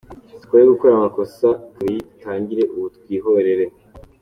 Ibibazo by’iterabwoba nabyo bikomeje kugira ingaruka ku bukungu bwa Nigeria, Kenya na Mali.